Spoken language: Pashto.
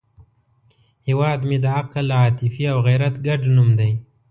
هیواد مې د عقل، عاطفې او غیرت ګډ نوم دی